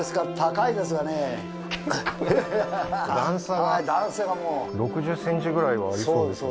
結構段差が段差がもう６０ｃｍぐらいはありそうですね